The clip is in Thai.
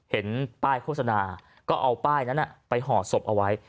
เห็นป้ายโฆษณาก็เอาป้ายนั้นไปห่อศพเอาไว้